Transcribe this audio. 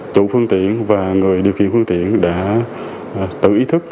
chủ phương tiện và người điều khiển phương tiện đã tự ý thức